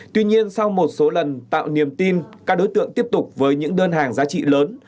tuy nhiên sau một số lần tạo niềm tin các đối tượng tiếp tục với những đơn hàng giá trị lớn